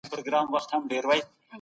دوی غوښتل ټولني ته نظم بیرته راولي.